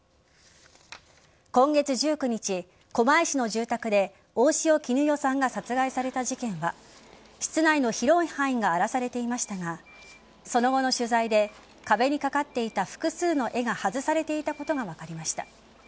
今月１９日、狛江市の住宅で大塩衣与さんが殺害された事件は室内の広い範囲が荒らされていましたがその後の取材で壁にかかっていた複数の絵が外されていたことが分かりました。